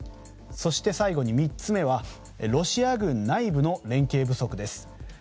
そして最後に３つ目はロシア軍内部の連携不足です。